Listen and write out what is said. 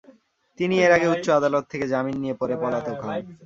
তিনি এর আগে উচ্চ আদালত থেকে জামিন নিয়ে পরে পলাতক হন।